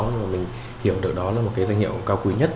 nhưng mà mình hiểu được đó là một cái danh hiệu cao quý nhất